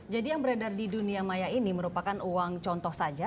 jadi yang beredar di dunia maya ini merupakan uang contoh saja